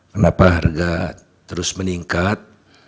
kenapa harga terus meningkat